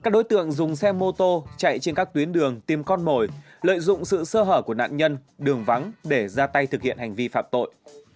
các đối tượng dùng xe mô tô chạy trên các tuyến đường tìm con mồi lợi dụng sự sơ hở của nạn nhân đường vắng để ra tay thực hiện hành vi phạm tội